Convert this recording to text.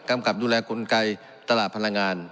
กำกับดูแลกลไกตลาดพลังงาน